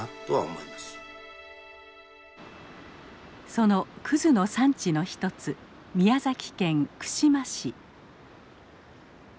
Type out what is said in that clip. その葛の産地の一つ宮崎県串間市。